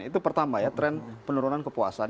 itu pertama ya tren penurunan kepuasan